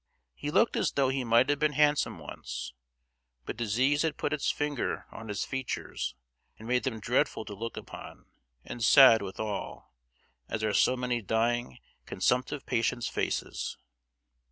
He looked as though he might have been handsome once, but disease had put its finger on his features and made them dreadful to look upon and sad withal, as are so many dying consumptive patients' faces.